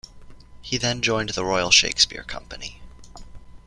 He then joined the Royal Shakespeare Company.